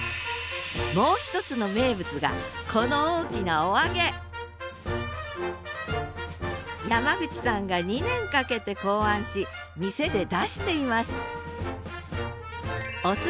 もう一つの名物がこの大きなおあげ山口さんが２年かけて考案し店で出しています